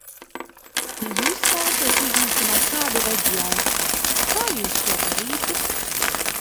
Ja jūs vēlaties iznīcināt kādu reģionu, kā jūs to darītu?